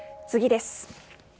次です。